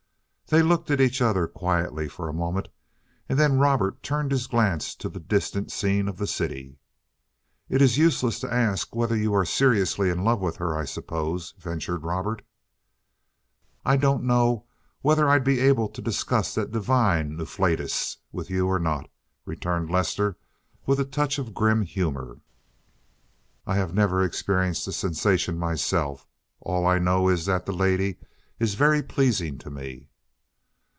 They looked at each other quietly for a moment, and then Robert turned his glance to the distant scene of the city. "It's useless to ask whether you are seriously in love with her, I suppose," ventured Robert. "I don't know whether I'd be able to discuss that divine afflatus with you or not," returned Lester, with a touch of grim humor. "I have never experienced the sensation myself. All I know is that the lady is very pleasing to me."